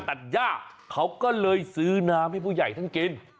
ตัดย่าเขาก็เลยซื้อน้ำให้ผู้ใหญ่ท่านกิน